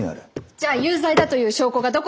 じゃあ有罪だという証拠がどこにあるんです？